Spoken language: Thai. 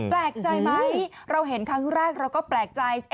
แปลกใจไหมเราเห็นครั้งแรกเราก็แปลกใจ